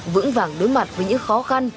vững vàng đối mặt với những khó khăn